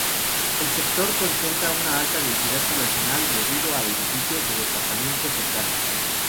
El sector concentra una alta densidad poblacional debido a edificios de departamentos cercanos.